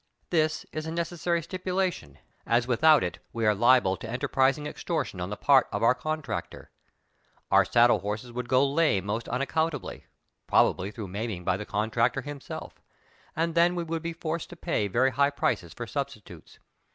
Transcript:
This is a necessary stipulation, as without it we are liable to enterprising extortion on the part of our contractor ; our saddle horses would go lame most unaccountably, probably through maiming by the contractor himself, and then we would be forced to pay ver^^ high prices for substitutes.